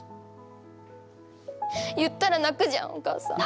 言ったら泣くじゃんお母さん。